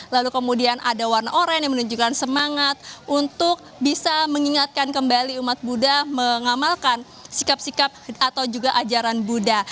lalu kemudian ada warna oran yang menunjukkan semangat untuk bisa mengingatkan kembali umat buddha mengamalkan sikap sikap atau juga ajaran buddha